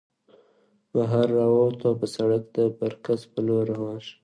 بهر راووتو او پۀ سړک د برکڅ په لور روان شو